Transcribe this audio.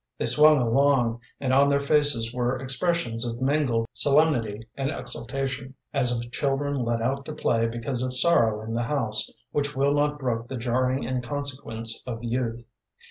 They swung along, and on their faces were expressions of mingled solemnity and exultation, as of children let out to play because of sorrow in the house, which will not brook the jarring inconsequence of youth.